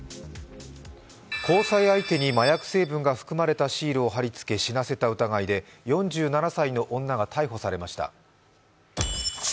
交際相手に麻薬成分が含まれたシールを貼り付け死なせた疑いで４７歳の女が逮捕されました。